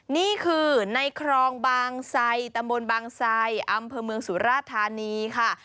นี่คือในครองบางไซตำบลบางไซอำเภอเมืองสุราธานีค่ะ